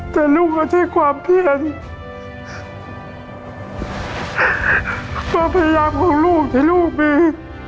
แต่ลูกก็ที่ความเพียรมาพยายามของลูกที่ลูกมี